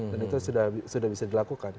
dan itu sudah bisa dilakukan